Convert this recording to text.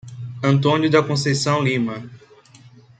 Antônio da Conceição Lima